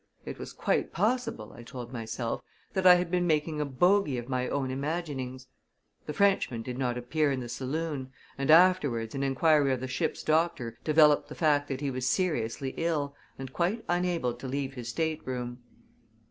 It was quite possible, I told myself, that I had been making a bogy of my own imaginings. The Frenchman did not appear in the saloon, and, afterwards, an inquiry of the ship's doctor developed the fact that he was seriously ill, and quite unable to leave his state room.